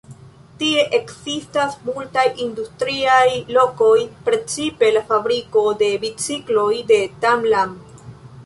Tie ekzistas multaj industriaj lokoj, precipe la fabriko de bicikloj de Tan Lan.